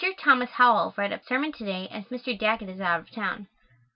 Thomas Howell read a sermon to day as Mr. Daggett is out of town.